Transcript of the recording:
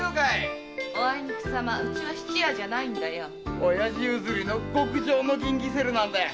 オヤジ譲りの極上の銀ギセルなんだよ。